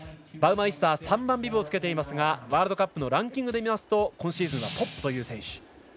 バウマイスター３番ビブを着けていますがワールドカップのランキングでは今シーズンはトップという選手。